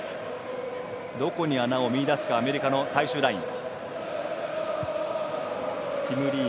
どこに穴を見いだすかアメリカの最終ライン。